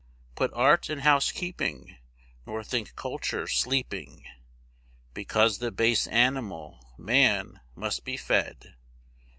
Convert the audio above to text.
Put art in housekeeping, nor think culture sleeping Because the base animal, man, must be fed.